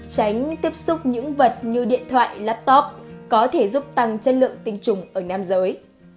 tránh tiếp xúc những vật như điện thoại laptop có thể giúp tăng chất lượng tinh trùng ở nam giới